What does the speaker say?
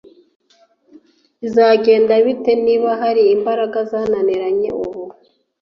Bizagenda bite niba hari imbaraga zananiranye ubu